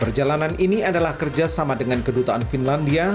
tentara tentara tetapi ini adalah kerjasama dengan kedutaan finlandia